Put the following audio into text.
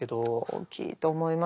大きいと思います。